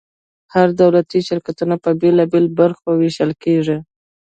هر دولتي شرکت په بیلو بیلو برخو ویشل کیږي.